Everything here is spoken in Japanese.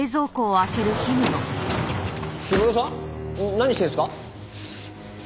何してるんですか？